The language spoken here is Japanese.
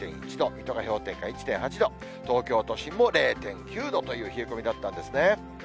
１．１度、水戸が氷点下１．８度、東京都心も０．９度という冷え込みだったんですね。